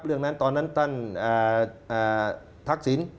เรื่องนั้นตอนนั้นท่านทักษิณ